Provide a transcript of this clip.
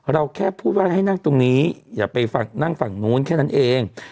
เราแค่พูดว่าให้นั่งตรงนี้อย่าไปนั่งฝั่งนู้นแค่นั้นเอง